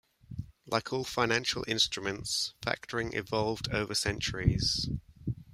Like all financial instruments, factoring evolved over centuries.